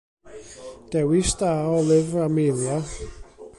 Dewis da o lyfr Amelia!